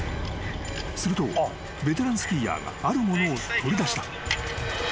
［するとベテランスキーヤーがあるものを取り出した］